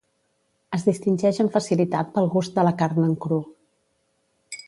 Es distingeix amb facilitat pel gust de la carn en cru.